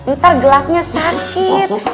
ntar gelasnya sakit